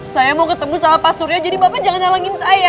saya mau ketemu sama pak surya jadi bapak jangan nyalengin saya